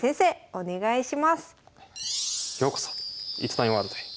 お願いします。